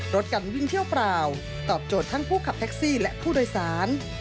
ลดการวิ่งเที่ยวเปล่าตอบโจทย์ทั้งผู้ขับแท็กซี่และผู้โดยสาร